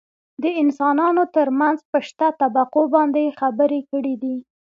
دانسانانو ترمنځ په شته طبقو باندې يې خبرې کړي دي .